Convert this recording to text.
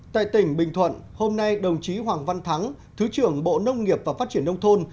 tại tỉnh bình thuận hôm nay đồng chí hoàng văn thắng thứ trưởng bộ nông nghiệp và phát triển nông thôn